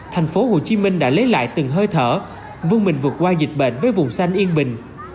thành phố hồ chí minh đã lấy lại từng hơi thở vươn mình vượt qua dịch bệnh với vùng xanh yên bình